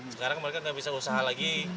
sekarang mereka tidak bisa usaha lagi